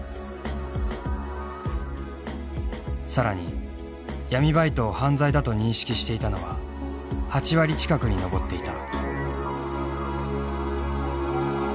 更に闇バイトを犯罪だと認識していたのは８割近くに上っていた。